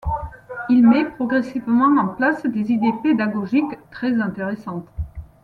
Il met progressivement en place des idées pédagogiques très intéressantes.